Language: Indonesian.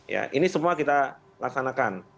ya ini semua kita laksanakan